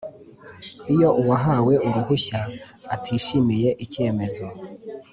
Iyo uwahawe uruhushya atishimiye icyemezo